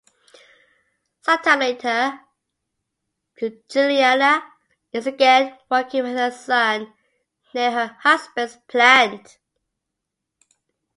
Sometime later, Giuliana is again walking with her son near her husband's plant.